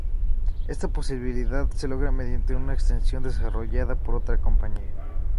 Esta posibilidad se logra mediante una extensión desarrollada por otra compañía.